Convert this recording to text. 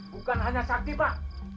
bukan hanya sakti pak